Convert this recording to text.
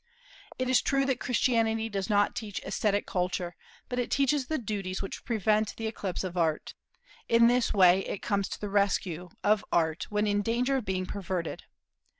It is true that Christianity does not teach aesthetic culture, but it teaches the duties which prevent the eclipse of Art. In this way it comes to the rescue of Art when in danger of being perverted.